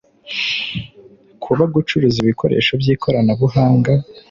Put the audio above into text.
kuba gucuruza ibikoresho by ikoranabuhanga